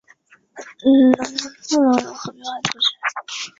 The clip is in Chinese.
淡红美登木为卫矛科美登木属下的一个种。